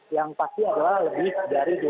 yang pasti adalah lebih dari dua ratus empat puluh